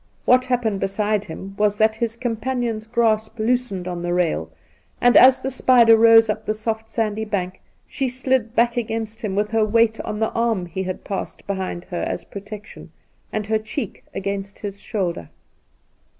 What happened beside him was that his com panion's grasp loosened on the rail, and as the spider rose up the soft, sandy bank, she slid back against him with her weight on the arm he had passed behind her as protection, and her cheek against his shoulder.